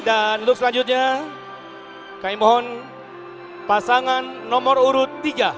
dan untuk selanjutnya kami mohon pasangan nomor urut tiga